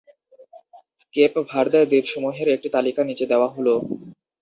Cape ভার্দের দ্বীপসমূহের একটি তালিকা নিচে দেওয়া হল।